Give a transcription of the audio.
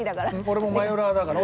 俺もマヨラーだから。